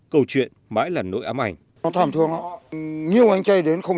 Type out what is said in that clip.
cầu chuyện mãi là nỗi ám ảnh